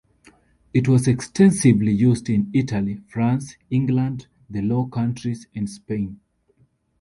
It was extensively used in Italy, France, England, the Low Countries and Spain.